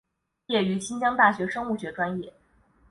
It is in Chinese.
毕业于新疆大学生物学专业。